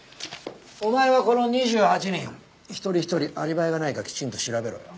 お前はこの２８人一人一人アリバイがないかきちんと調べろよ。